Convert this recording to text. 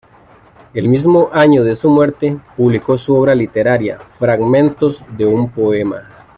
El mismo año de su muerte publicó su obra literaria "Fragmentos de un Poema".